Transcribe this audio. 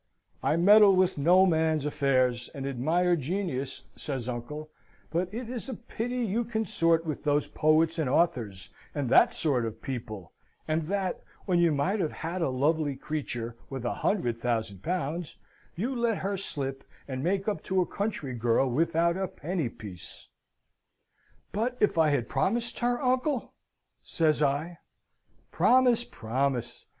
"I meddle with no man's affairs, and admire genius," says uncle, "but it is a pity you consort with those poets and authors, and that sort of people, and that, when you might have had a lovely creature, with a hundred thousand pounds, you let her slip and make up to a country girl without a penny piece." "But if I had promised her, uncle?" says I. "Promise, promise!